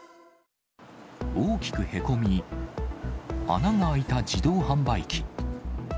大きくへこみ、穴が開いた自動販売機。